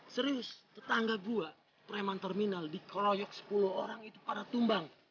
serius tetangga gue preman terminal dikeroyok sepuluh orang itu para tumbang